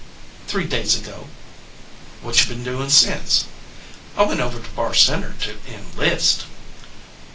"Three days ago." "What you been doin since?" "I went over to Barr Center to enlist."